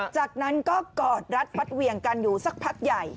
จากนั้นก็กอดรัดฟัดเหวี่ยงกันอยู่สักพักใหญ่